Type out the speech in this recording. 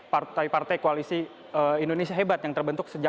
selain partai partai koalisi indonesia hebat yang terbentuk sejak dua ribu empat belas lalu